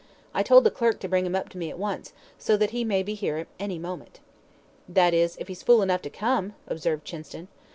I told the clerk to bring him up to me at once, so he may be here at any moment." "That is, if he's fool enough to come," observed Chinston.